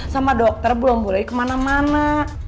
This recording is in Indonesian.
sama dokter belum boleh kemana mana